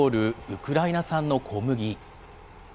ウクライナ産の小麦。